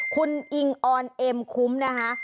คุณอิงออนเอ็มคุ้มนะคะ